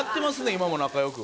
今も仲良く。